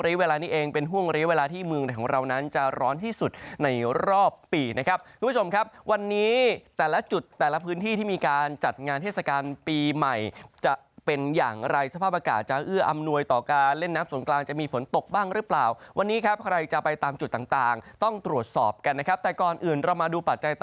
เวลานี้เองเป็นห่วงระยะเวลาที่เมืองในของเรานั้นจะร้อนที่สุดในรอบปีนะครับคุณผู้ชมครับวันนี้แต่ละจุดแต่ละพื้นที่ที่มีการจัดงานเทศกาลปีใหม่จะเป็นอย่างไรสภาพอากาศจะเอื้ออำนวยต่อการเล่นน้ำสนกลางจะมีฝนตกบ้างหรือเปล่าวันนี้ครับใครจะไปตามจุดต่างต่างต้องตรวจสอบกันนะครับแต่ก่อนอื่นเรามาดูปัจจ